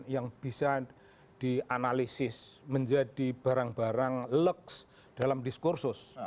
yang bisa dianalisis menjadi barang barang lux dalam diskursus